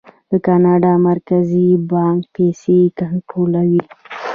د کاناډا مرکزي بانک پیسې کنټرولوي.